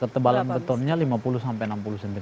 ketebalan betonnya lima puluh sampai enam puluh cm